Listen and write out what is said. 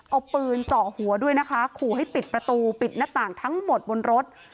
เอาปืนเจาะหัวด้วยนะคะขู่ให้ปิดประตูปิดหน้าต่างทั้งหมดบนรถ